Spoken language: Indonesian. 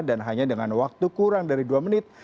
dan hanya dengan waktu kurang dari dua menit